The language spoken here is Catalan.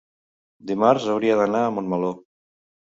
dimarts hauria d'anar a Montmeló.